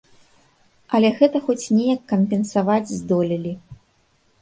Але гэта хоць неяк кампенсаваць здолелі.